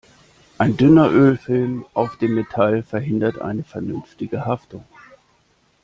Ein dünner Ölfilm auf dem Metall verhindert eine vernünftige Haftung.